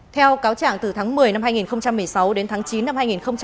theo cáo trạng từ tháng một mươi năm hai nghìn một mươi sáu đến tháng chín năm hai nghìn một mươi bảy